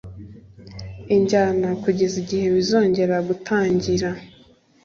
injyana. kugeza igihe bizongera gutangira